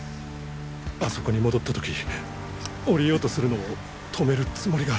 あそこに戻った時降りようとするのを止めるつもりが。